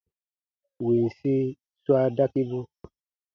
Winsi swa dakibu.